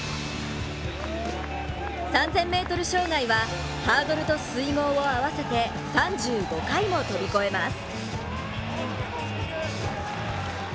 ３０００ｍ障害は、ハードルと水濠を合わせて３５回も飛び越えます。